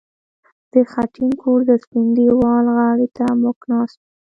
د خټین کور د سپین دېوال غاړې ته موږ ناست وو